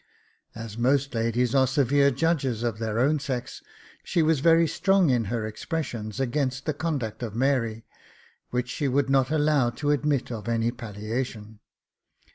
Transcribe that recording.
As most ladies are severe judges of their own sex, she was very strong in her expressions against the conduct of Mary, which she would not allow to admit of any palliation.